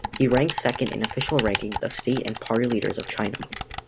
He ranked second in official rankings of state and party leaders of China.